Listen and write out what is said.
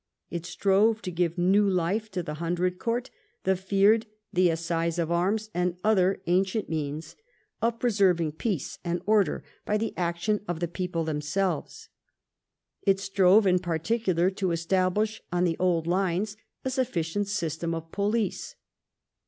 It strove to give now life to the Hundred Court, the Fyrd, the Assize of Arms, and other ancient means of preserving vii EDWARD'S LEGISLATION 131 peace and order by the action of the people themselves. It strove in particular to establish on the old lines a sufficient system of police.